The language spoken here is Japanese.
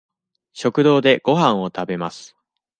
食堂でごはんを食べます。